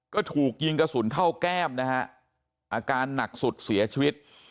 ก็ถูกยิงกระสุนเข้าแก้มนะฮะอาการหนักสุดเสียชีวิต